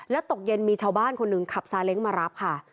แล้วตกเย็นมีชาวบ้านคนหนึ่งขับซาเล้งมารับค่ะ